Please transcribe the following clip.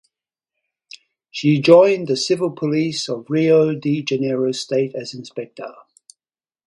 She joined the Civil Police of Rio de Janeiro State as Inspector.